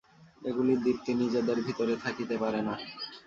এগুলির দীপ্তি নিজেদের ভিতরে থাকিতে পারে না।